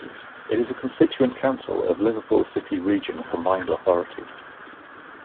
It is a constituent council of Liverpool City Region Combined Authority.